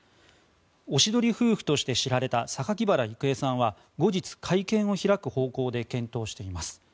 おしどり夫婦として知られた榊原郁恵さんは後日、会見を開く方向で検討しています。